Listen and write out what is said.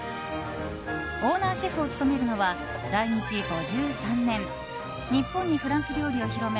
オーナーシェフを務めるのは来日５３年日本にフランス料理を広め